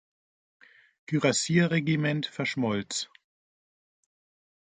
Kürassier-Regiment verschmolz.